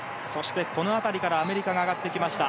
この辺りからアメリカが上がってきました。